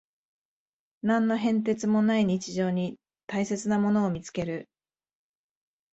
何の変哲もない日常に大切なものを見つける